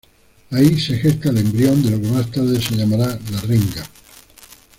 Ahí se gesta el embrión de lo que más tarde se llamará La Renga.